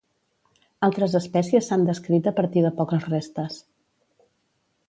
Altres espècies s'han descrit a partir de poques restes.